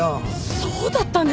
そうだったんですか？